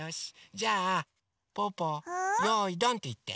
じゃあぽぅぽ「よいどん」っていって。